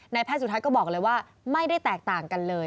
แพทย์สุทัศน์ก็บอกเลยว่าไม่ได้แตกต่างกันเลย